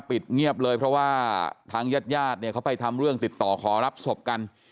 ปิดเงียบเลยเพราะว่าทางญาติญาติเนี่ยเขาไปทำเรื่องติดต่อขอรับศพกัน